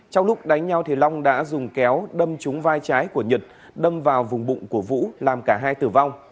trong lúc đánh nhau long đã dùng kéo đâm trúng vai trái của nhật đâm vào vùng bụng của vũ làm cả hai tử vong